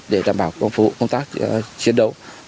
để đảm bảo phục vụ công tác chiến đấu